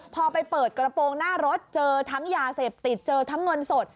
พอไปเปิดกระโปรงหน้ารถเจอทั้งยาเสพติดเจอทั้งเงินสด